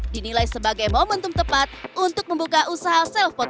dinilai sebagai momentum tepat untuk membuka usaha self photo studio